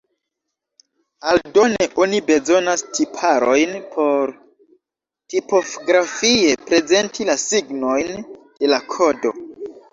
Aldone oni bezonas tiparojn por tipografie prezenti la signojn de la kodo.